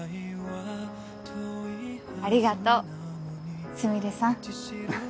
ありがとうスミレさん。